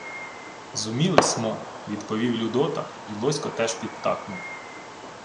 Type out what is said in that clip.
— Зуміли смо, — відповів Людота, й Лосько теж підтакнув.